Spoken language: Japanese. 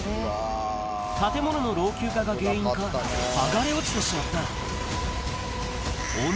建物の老朽化が原因か、剥がれ落ちてしまった。